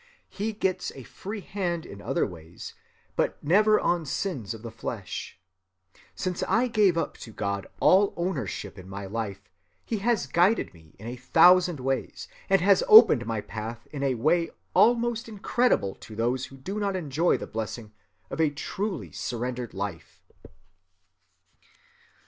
He gets a free hand in other ways, but never on sins of the flesh. Since I gave up to God all ownership in my own life, he has guided me in a thousand ways, and has opened my path in a way almost incredible to those who do not enjoy the blessing of a truly surrendered life."